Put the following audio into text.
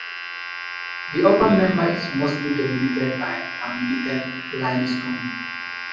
The upper member is mostly dominated by laminated limestone.